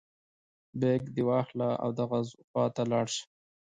بیک دې واخله او دغه خواته لاړ شه.